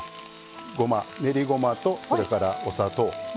練りごまとそれからお砂糖。